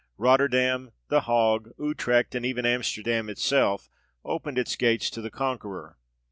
Rotterdam, the Hague, Utrecht, and even Amsterdam itself, opened its gates to the con queror.